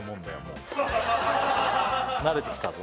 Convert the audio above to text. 慣れてきたぞ